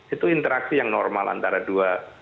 itu interaksi yang normal antara dua